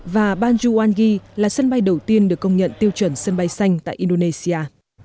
và bandung wangi là sân bay đầu tiên được công nhận tiêu chuẩn sân bay xanh tại indonesia